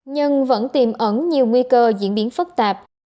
nhưng vẫn tiềm ẩn nhiều nguy cơ diễn biến phức tạp